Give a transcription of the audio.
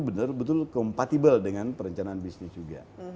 benar benar kompatibel dengan perencanaan bisnis kita